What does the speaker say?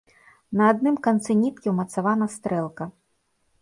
На адным канцы ніткі ўмацавана стрэлка.